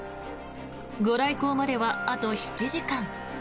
ご来光までは、あと７時間。